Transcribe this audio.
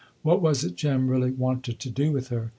What was it Jem really wanted to do with her?